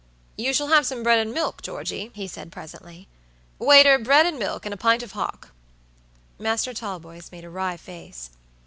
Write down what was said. "You shall have some bread and milk, Georgey," he said, presently. "Waiter, bread and milk, and a pint of hock." Master Talboys made a wry face.